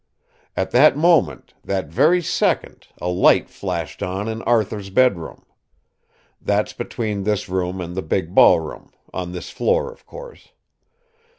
"At that moment, that very second, a light flashed on in Arthur's bedroom. That's between this room and the big ballroom on this floor, of course.